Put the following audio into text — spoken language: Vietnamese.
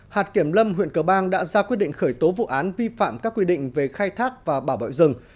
hạt kiểm lâm huyện cờ bang đã ra quyết định khởi tố vụ án vi phạm các quy định về khai thác và bảo vệ rừng